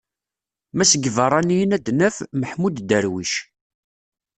Ma seg yibeṛṛaniyen ad d-naf: Maḥmud Darwic.